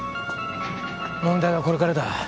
問題はこれからだ。